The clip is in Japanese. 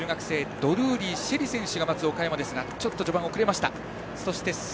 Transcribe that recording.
ドルーリー朱瑛里選手が待つ岡山ですが序盤遅れました。